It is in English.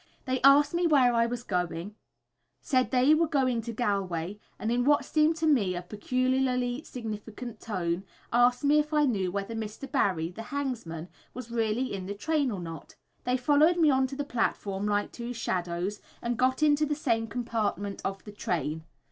They asked me where I was going, said that they were going to Galway, and in what seemed to me a peculiarly significant tone, asked me if I knew whether Mr. Barry, the hangsman, was really in the train or not. They followed me on to the platform like two shadows, and got into the same compartment of the train.